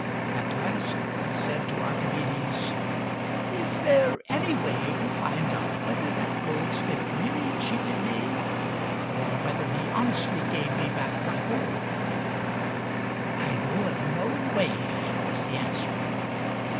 At last he said to Archimedes, " Is there any way to find out whether that goldsmith really cheated me, or whether he honestly gave me back my gold ?"" I know of no way," was the answer.